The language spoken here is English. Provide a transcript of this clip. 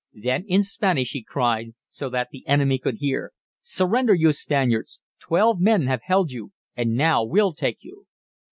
Then in Spanish he cried, so that the enemy could hear: "Surrender, you Spaniards! Twelve men have held you, and now we'll take you!"